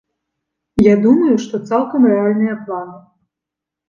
Я думаю, што цалкам рэальныя планы.